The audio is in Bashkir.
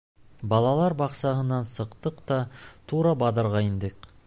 Балалар баҡсаһынан сыҡтыҡ та тура баҙарға индек.